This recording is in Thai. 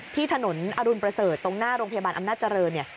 ที่ถนนอรุณประเสริฐตรงหน้าโรงพยาบาลอำนาจเจริญเนี่ย